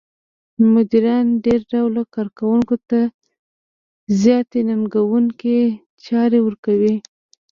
مديران دې ډول کار کوونکو ته زیاتې ننګوونکې چارې ورکوي.